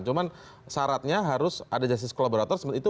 cuma syaratnya harus ada justice kolaborator